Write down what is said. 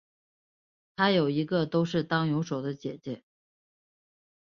她有一个都是当泳手的姐姐。